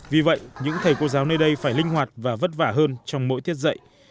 vì vậy những thầy cô giáo nơi đây phải linh hoạt và vất vả hơn trong mỗi tiết dạy